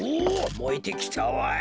もえてきたわい。